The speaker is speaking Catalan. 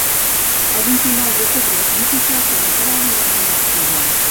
El vint-i-nou de febrer en Quixot i na Queralt iran a Maspujols.